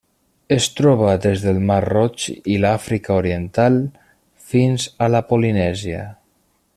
Es troba des del mar Roig i l'Àfrica oriental fins a la Polinèsia.